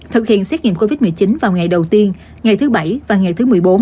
thực hiện xét nghiệm covid một mươi chín vào ngày đầu tiên ngày thứ bảy và ngày thứ một mươi bốn